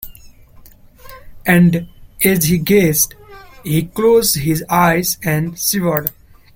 And, as he gazed, he closed his eyes and shivered.